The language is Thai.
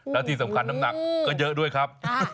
แล้วที่สำคัญน้ำหนักก็เยอะด้วยครับ